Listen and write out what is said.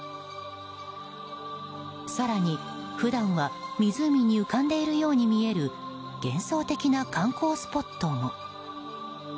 更に、普段は湖に浮かんでいるように見える幻想的な観光スポットも。